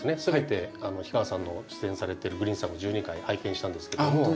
全て氷川さんの出演されてる「グリーンサム」１２回拝見したんですけども。